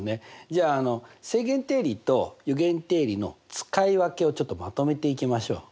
じゃあ正弦定理と余弦定理の使い分けをちょっとまとめていきましょう。